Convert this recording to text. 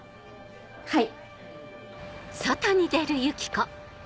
はい。